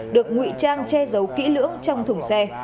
được ngụy trang che giấu kỹ lưỡng trong thùng xe